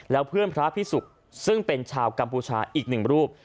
แล้วเพื่อนพระพิสุกซึ่งเป็นชาวกัมพูชาอีกหนึ่งรูป